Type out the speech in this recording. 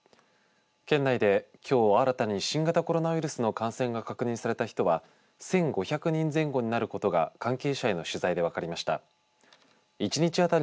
県内で、きょう新たに新型コロナウイルスの感染が確認された人は１５００人前後になることが関係者への取材で分かりました。